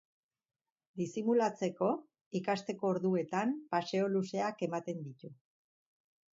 Disimulatzeko, ikasteko orduetan, paseo luzeak ematen ditu.